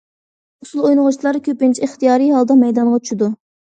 ئۇسسۇل ئوينىغۇچىلار كۆپىنچە ئىختىيارىي ھالدا مەيدانغا چۈشىدۇ.